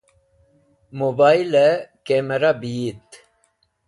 Mobile Kemra be Yit